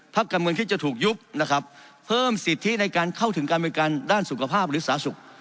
การเมืองคิดจะถูกยุบนะครับเพิ่มสิทธิในการเข้าถึงการบริการด้านสุขภาพหรือสาสุข